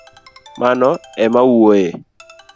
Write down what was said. Mano emawuoye